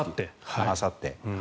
あさって。